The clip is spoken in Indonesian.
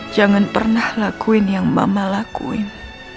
jangan pernah lakuin yang mama lakuin